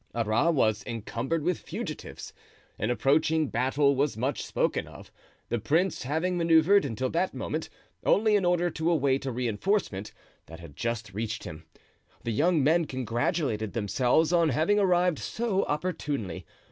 Arras was encumbered with fugitives. An approaching battle was much spoken of, the prince having manoeuvred, until that movement, only in order to await a reinforcement that had just reached him. The young men congratulated themselves on having arrived so opportunely.